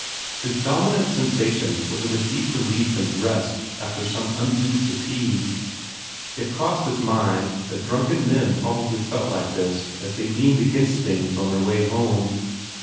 His dominant sensation was of a deep relief and rest after some undue fatigue. It crossed his mind that drunken men probably felt like that as they leaned against things on their way home.